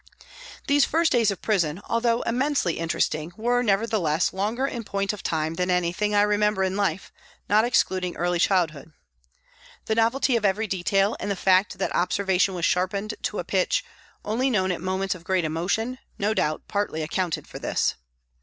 These first days of prison, although immensely THE HOSPITAL 103 interesting, were, nevertheless, longer in point of time than anything I remember in life, not excluding early childhood. The novelty of every detail and the fact that observation was sharpened to a pitch only known at moments of great emotion, no doubt partly accounted for this.